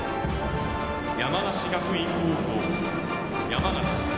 山梨学院高校・山梨。